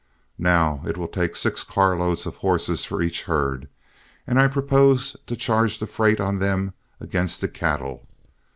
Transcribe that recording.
Now, it will take six carloads of horses for each herd, and I propose to charge the freight on them against the cattle.